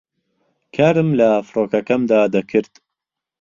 کارم لە فڕۆکەکەمدا دەکرد